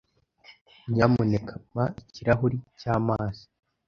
Nyamuneka mpa ikirahuri cy'amazi.